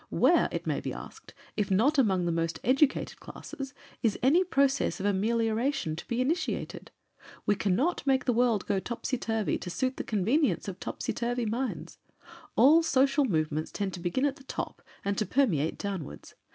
Where, it may be asked, if not among the most educated classes, is any process of amelioration to be initiated? We cannot make the world topsy turvy to suit the convenience of topsy turvy minds. All social movements tend to begin at the top and to permeate downwards.